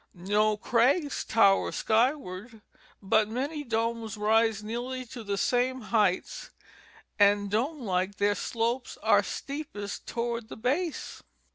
No crags tower skyward, but many domes rise nearly to the same heights, and dome like, their slopes are steepest toward the base.